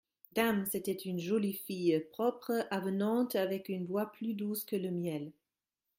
Dame ! c'était une jolie fille, propre, avenante, avec une voix plus douce que le miel.